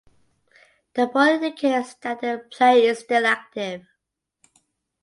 The bold indicates that the player is still active